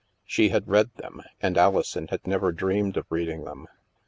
She had read them, and Alison had never dreamed of reading them.